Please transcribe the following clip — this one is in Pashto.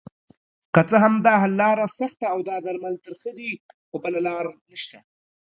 که څه هم داحل لاره سخته اودا درمل ترخه دي خو بله لاره نشته